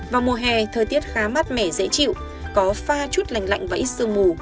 vào mùa hè thời tiết khá mát mẻ dễ chịu có pha chút lành lạnh và ít sương mù